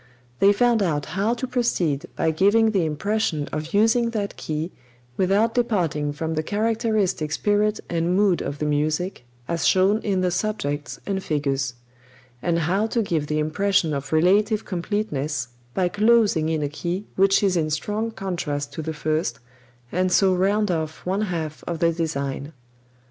They found out how to proceed by giving the impression of using that key and passing to another without departing from the characteristic spirit and mood of the music, as shown in the 'subjects' and figures; and how to give the impression of relative completeness, by closing in a key which is in strong contrast to the first, and so round off one half of the design.